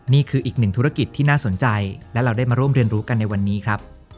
นี่คืออีกหนึ่งธุรกิจที่น่าสนใจและเราได้มาร่วมเรียนรู้กันในวันนี้ครับ